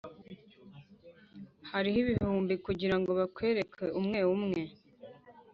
hariho ibihumbi kugirango bakwereke umwe umwe,